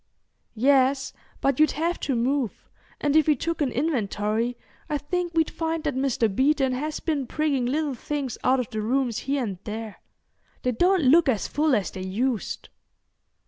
"Yes; but you'd have to move, and if we took an inventory, I think we'd find that Mr. Beeton has been prigging little things out of the rooms here and there. They don't look as full as they used."